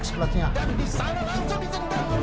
dan disana langsung disentang wisi